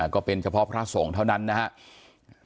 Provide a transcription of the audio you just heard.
ก็เป็นเฉพาะพระสงฆ์เท่านั้นนะครับ